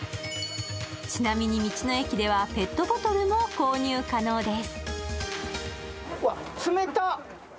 ちなみに道の駅ではペットボトルも購入可能です。